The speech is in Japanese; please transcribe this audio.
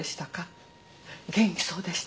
元気そうでしたか？